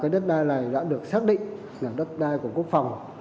đất đai này đã được xác định là đất đai của quốc phòng